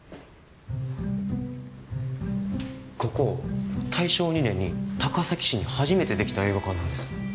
ここ大正２年に高崎市に初めてできた映画館なんですよ。